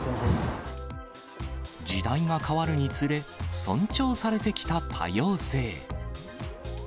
時代が変わるにつれ、尊重されてきた多様性。